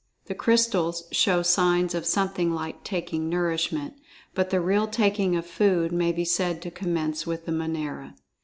The Crystals show signs of something like taking nourishment, but the real taking of food may be said to commence with the Monera.